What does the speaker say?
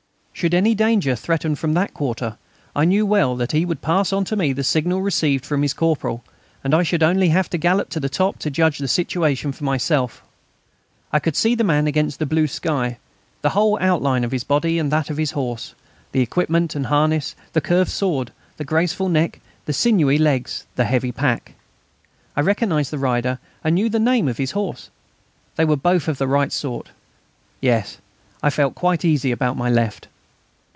Should any danger threaten from that quarter I knew well that he would pass on to me the signal received from his corporal, and I should only have to gallop to the top to judge of the situation myself. I could see the man against the blue sky, the whole outline of his body and that of his horse; the equipment and harness, the curved sword, the graceful neck, the sinewy legs, the heavy pack. I recognised the rider and knew the name of his horse. They were both of the right sort. Yes, I felt quite easy about my left.